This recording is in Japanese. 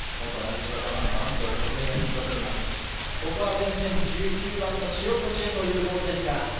前線、１９番の塩越へというボールです。